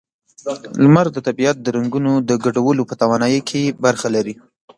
لمر د طبیعت د رنگونو د ګډولو په توانایۍ کې برخه لري.